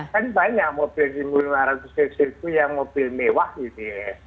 kan banyak mobil seribu lima ratus cc itu yang mobil mewah gitu ya